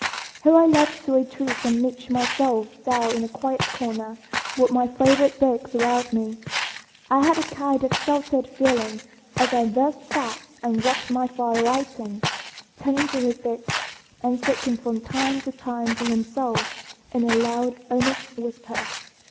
Here I loved to retreat and niche myself down in a quiet corner with my favorite books around me. I had a kind of sheltered feeling as I thus sat and watched my father writing, turning to his books, and speaking from time to time to himself in a loud, earnest whisper.